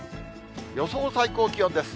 予想最高気温です。